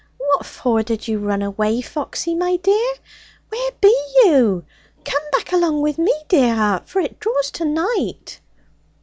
'What for did you run away, Foxy, my dear? Where be you? Come back along with me, dear 'eart, for it draws to night!'